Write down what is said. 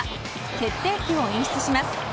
決定機を演出します。